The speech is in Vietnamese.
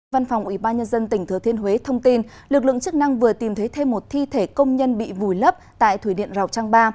văn phòng ủy ban nhân dân tỉnh thừa thiên huế thông tin lực lượng chức năng vừa tìm thấy thêm một thi thể công nhân bị vùi lấp tại thủy điện rào trăng ba